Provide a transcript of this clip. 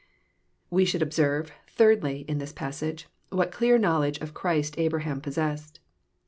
We should observe, thirdly, in this passage, what dear knowledge of Christ Abraham possessed.